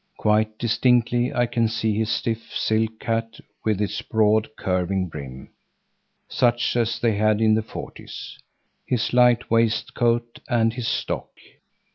Quite distinctly I can see his stiff, silk hat with its broad, curving brim, such as they had in the forties, his light waistcoat and his stock.